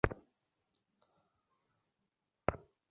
তুমি যে শ্রীরামকৃষ্ণের মহিমা বুঝতে পেরেছ, তা জেনে আমার বড়ই আনন্দ হল।